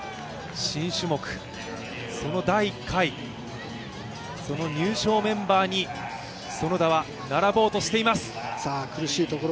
新種目、その第１回、その入賞メンバーに園田は並ぼうとしています。